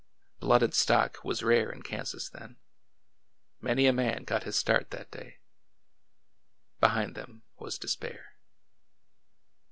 Blooded stock was rare in Kansas then. Many a man got his start that day. Behind them was despair.